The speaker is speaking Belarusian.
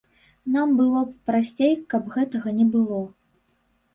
Нам было б прасцей, каб гэтага не было.